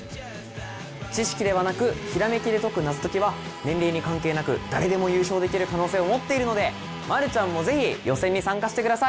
知識ではなくひらめきで解く謎解きは、年齢に関係なく、誰でも優勝できる可能性を持っているので、丸ちゃんもぜひ、予選に参加してください！